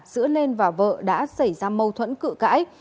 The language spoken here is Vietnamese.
giữa lên và vợ đã xảy ra mâu thuẫn cự cãi